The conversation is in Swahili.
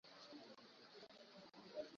upande wa mawasiliano makampuni ya alcatel lucer